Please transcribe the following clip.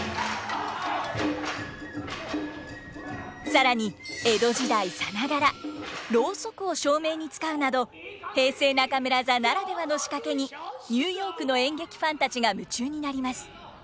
さらに江戸時代さながらロウソクを照明に使うなど平成中村座ならではの仕掛けにニューヨークの演劇ファンたちが夢中になります。